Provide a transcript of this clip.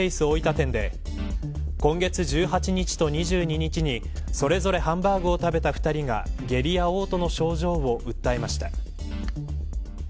店で今月１８日と２２日にそれぞれハンバーグを食べた２人が下痢や嘔吐の症状を訴えました。